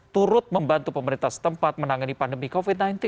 turut membantu pemerintah setempat menangani pandemi covid sembilan belas